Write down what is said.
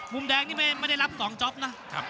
มุมแดงนี่ไม่ได้รับ๒จ๊อปนะ